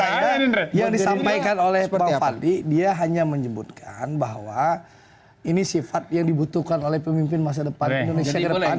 saya kira yang disampaikan oleh pak fadli dia hanya menyebutkan bahwa ini sifat yang dibutuhkan oleh pemimpin masa depan indonesia ke depan